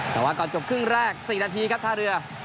แต่ว่าก่อนจบครึ่งแรก๔นาทีครับท่าเรือ